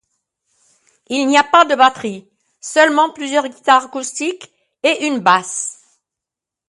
Il n'y a pas de batterie, seulement plusieurs guitares acoustiques et une basse.